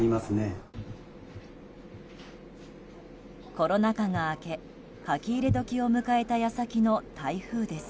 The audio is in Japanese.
コロナ禍が明け、書き入れ時を迎えた矢先の台風です。